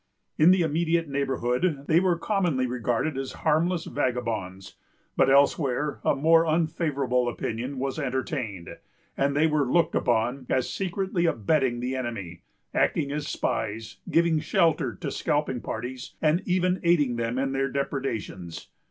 In the immediate neighborhood, they were commonly regarded as harmless vagabonds; but elsewhere a more unfavorable opinion was entertained, and they were looked upon as secretly abetting the enemy, acting as spies, giving shelter to scalping parties, and even aiding them in their depredations.